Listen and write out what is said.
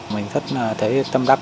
mình rất là thấy tâm đắc